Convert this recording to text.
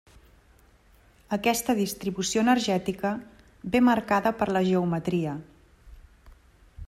Aquesta distribució energètica ve marcada per la geometria.